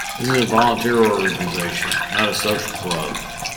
This is a volunteer organization, not a social club.